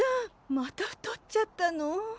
また太っちゃったの！？